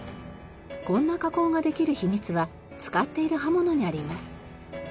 こんな加工ができる秘密は使っている刃物にあります。